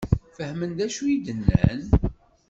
Fehmen d acu i d-nnan?